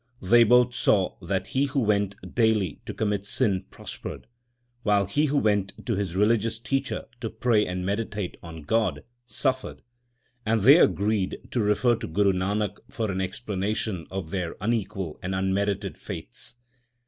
They both saw that he who went daily to commit sin prospered, while he who went to his religious teacher to pray and meditate on God, suffered ; and they agreed to refer to Guru Nanak for an explanation of their unequal and unmerited fates.